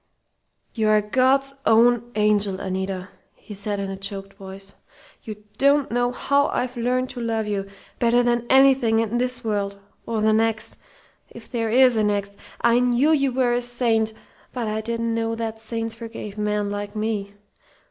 "You are God's own angel, Anita!" he said in a choked voice. "You don't know how I've learned to love you, better than anything in this world or the next if there is a next. I knew you were a saint, but I didn't know that saints forgave men like me....